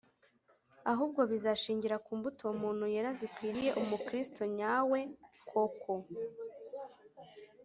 ahubwo bizashingira ku mbuto uwo muntu yera zikwiriye umukiristu nyawe koko